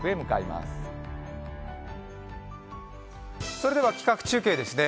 それでは企画中継ですね。